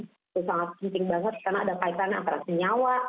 itu sangat penting banget karena ada kaitan antara senyawa